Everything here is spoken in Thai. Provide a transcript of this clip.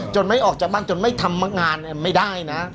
ไม่ออกจากบ้านจนไม่ทำงานไม่ได้นะ